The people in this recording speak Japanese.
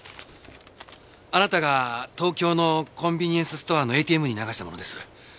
あなたが東京のコンビニエンスストアのＡＴＭに流したものです。